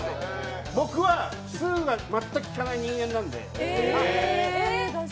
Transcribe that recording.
僕は酢が全くきかない人間なんで。